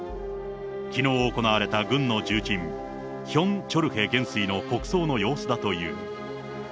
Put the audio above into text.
きのう行われた軍の重鎮、ヒョン・チョルへ元帥の国葬の様子だという。